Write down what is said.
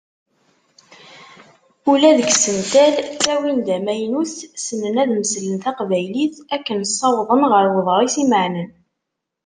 Ula deg yisental, ttawin-d amaynut, ssnen ad mmeslen taqbaylit akken ssawḍen ɣer uḍris imeɛnen.